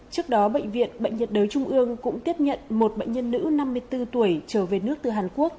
trước đó bệnh viện bệnh nhiệt đới trung ương cũng tiếp nhận một bệnh nhân nữ năm mươi bốn tuổi trở về nước từ hàn quốc